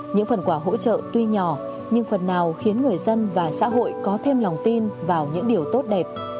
những phần quà hỗ trợ tuy nhỏ nhưng phần nào khiến người dân và xã hội có thêm lòng tin vào những điều tốt đẹp